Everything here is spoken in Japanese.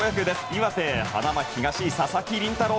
岩手・花巻東の佐々木麟太郎